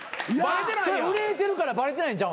それ憂いてるからバレてないんちゃう？